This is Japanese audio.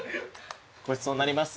ごちそうになります。